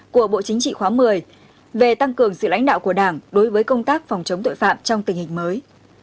của bộ chính trị khóa một mươi về tăng cường sự lãnh đạo của đảng đối với công tác phòng chống tội phạm trong tình hình mới